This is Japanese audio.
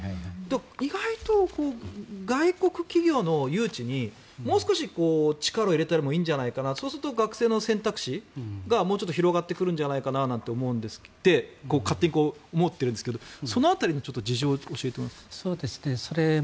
意外と外国企業の誘致にもう少し力を入れてもいいんじゃないかなそうすると、学生の選択肢がもうちょっと広がってくるんじゃないかなと勝手に思ってるんですけどその辺りの事情を教えてもらっても。